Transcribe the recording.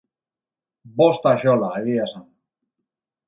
Bost axola, egia esan.